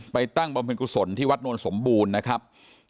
ตั้งบำเพ็ญกุศลที่วัดนวลสมบูรณ์นะครับ